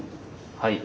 はい。